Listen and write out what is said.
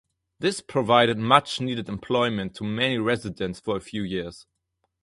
This provided much needed employment to many residents for a few years.